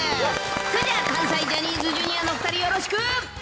それでは関西ジャニーズＪｒ．の２人、よろしく。